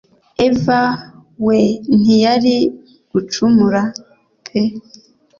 Eva we ntiyari gucumura pe